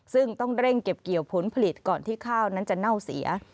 ซึ่งต้องเร่งเก็บเกี่ยวผลผลิตก่อนที่ข้าวนั้นจะเน่าเสีย